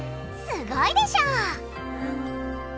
すごいでしょ！